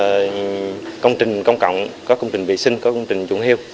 vì có công trình công cộng có công trình vệ sinh có công trình chuẩn hiệu